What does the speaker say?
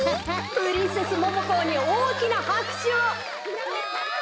プリンセスモモコーにおおきなはくしゅを。